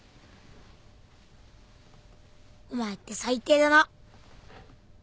お前って最低だな。